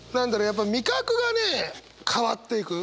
やっぱ味覚がね変わっていく。